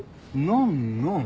ノンノン。